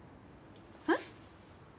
えっ？